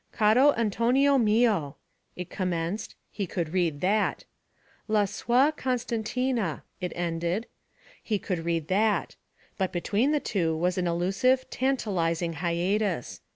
'Caro Antonio mio,' it commenced; he could read that. 'La sua Costantina,' it ended; he could read that. But between the two was an elusive, tantalizing hiatus.